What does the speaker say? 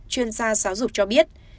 chuyên gia giáo dục cho biết